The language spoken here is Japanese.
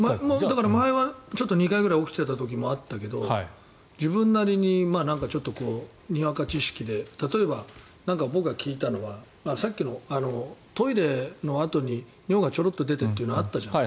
前は２回ぐらい起きていた時もあったけど自分なりにちょっとにわか知識で例えば、僕が聞いたのはさっきのトイレのあとに尿がちょろっと出てというのがあったじゃない。